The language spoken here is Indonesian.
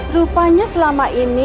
rupanya selama ini